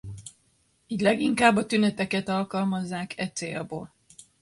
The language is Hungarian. Így leginkább a tüneteket alkalmazzák e célból.